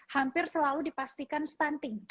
hampir selalu dipastikan stunting